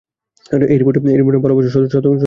এই রিপোর্ট ভালোবাসা ও সত্যকে জোড়া লাগাবে।